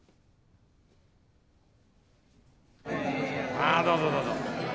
あぁどうぞどうぞ。